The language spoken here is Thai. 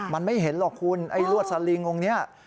มันไม่เห็นหรอกคุณไอ้รวดสลิงตรงนี้